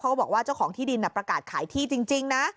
ก็บอกว่าเจ้าของที่ดินประกาศขายที่จริงนะ